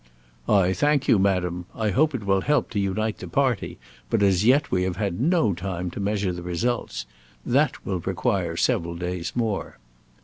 "I thank you, madam. I hope it will help to unite the party, but as yet we have had no time to measure its results. That will require several days more."